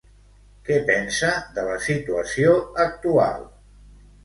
Què pensa de la situació actual?